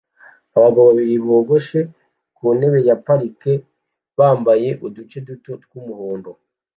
Abagabo babiri bogoshe ku ntebe ya parike bambaye uduce duto twumuhondo